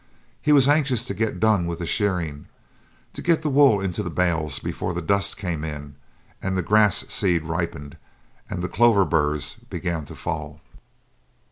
He was anxious to get done with the shearing, to get the wool into the bales before the dust came in, and the grass seed ripened, and the clover burrs began to fall.